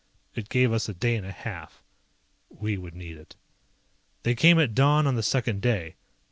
It gave us a day and a half. We would need it. They came at dawn on the second day.